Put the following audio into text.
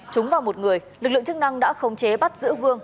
trúng vào một người lực lượng chức năng đã khống chế bắt giữ vương